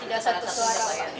tidak satu suara